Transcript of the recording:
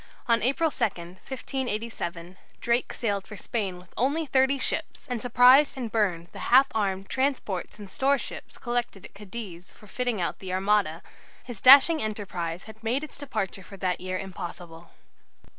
On 2 April, 1587, Drake sailed for Spain with only thirty ships, and surprised and burned the half armed transports and storeships collected at Cadiz for fitting out the Armada. His dashing enterprise had made its departure for that year impossible.